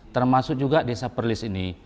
termasuk juga desa perlis ini